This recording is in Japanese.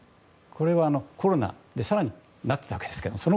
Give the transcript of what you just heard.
これはコロナで更に、なっていたわけですが。